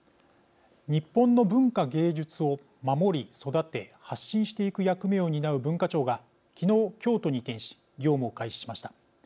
日本の文化芸術を守り、育て発信していく役目を担う文化庁が昨日、京都に移転し業務を開始しました。